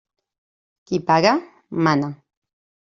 Qui paga, mana.